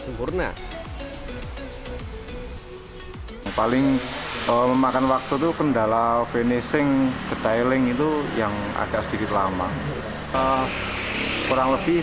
sempurna paling memakan waktu itu kendala finishing detailing itu yang agak sedikit lama kurang lebih